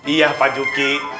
iya pak juki